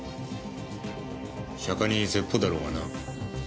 釈迦に説法だろうがな。